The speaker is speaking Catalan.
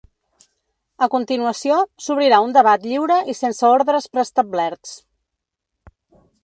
A continuació, s’obrirà un debat lliure i sense ordres preestablerts.